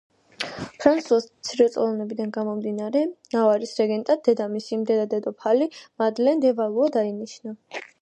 ფრანსუას მცირეწლოვანებიდან გამომდინარე, ნავარის რეგენტად დედამისი, დედა-დედოფალი მადლენ დე ვალუა დაინიშნა.